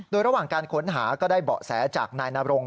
โดยระหว่างการค้นหาก็ได้เบาะแสจากนายนรง